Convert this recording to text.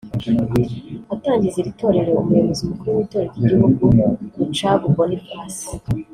Atangiza iri torero umuyobozi mukuru w’itorero ry’igihugu Rucagu Boniface